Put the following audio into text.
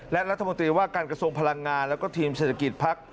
และรัฐมนตรีว่าการกระทรวงพลังงานแล้วก็ทีมเศรษฐกิจภักดิ์